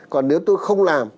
còn nếu tôi không làm